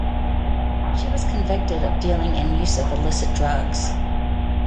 She was convicted of dealing and use of illicit drugs.